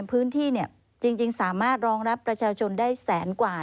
พื้นที่จริงสามารถรองรับประชาชนได้แสนกว่า